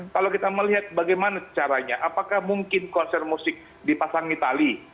kalau kita melihat bagaimana caranya apakah mungkin konser musik dipasangi tali